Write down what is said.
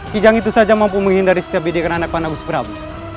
kijang itu saja mampu menghindari setiap bidikan anak anak gusih prabu